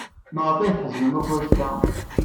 Maɣef ay tḥeznem akk anect-a?